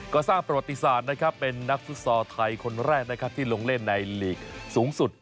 ก็สร้างประวัติศาสตร์เป็นนักฟุตซอร์ไทยคนแรกที่ลงเล่นในหลีกสูงสุด